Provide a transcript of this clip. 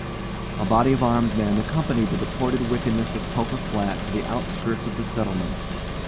A body of armed men accompanied the deported wickedness of Poker Flat to the outskirts of the settlement.